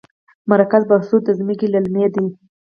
مرکز بهسود ځمکې للمي دي؟